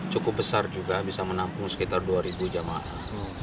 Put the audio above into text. cukup besar juga bisa menampung sekitar dua ribu jamaat